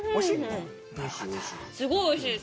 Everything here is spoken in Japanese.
すごいおいしいです！